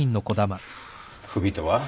不備とは？